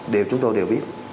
đều chúng tôi đều biết